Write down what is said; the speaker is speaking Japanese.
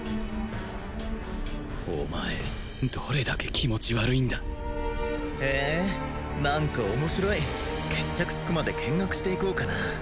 お前どれだけ気持ち悪いんだへえ何か面白い決着つくまで見学していこうかな